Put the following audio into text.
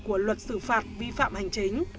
của luật xử phạt vi phạm hành chính